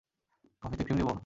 কফিতে ক্রিম দেবো?